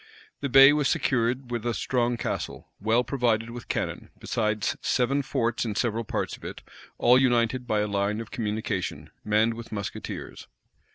The bay was secured with a strong castle, well provided with cannon, besides seven forts in several parts of it, all united by a line of communication, manned with musketeers.